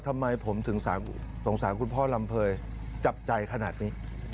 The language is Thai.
ทำไมผมถึงสงสารคุณพ่อลำเภยจับใจขนาดนี้